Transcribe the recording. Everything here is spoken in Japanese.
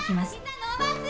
膝伸ばす！